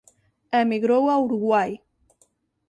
Emigrou a Uruguai.